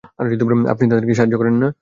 আপনি তাদের সাহায্য করেন না?